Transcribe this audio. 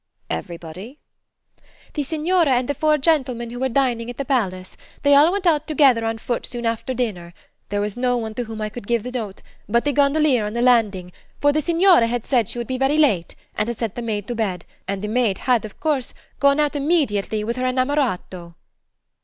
"Everybody?" "The signora and the four gentlemen who were dining at the palace. They all went out together on foot soon after dinner. There was no one to whom I could give the note but the gondolier on the landing, for the signora had said she would be very late, and had sent the maid to bed; and the maid had, of course, gone out immediately with her innamorato."